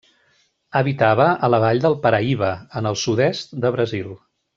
Habitava a la Vall del Paraíba, en el sud-est de Brasil.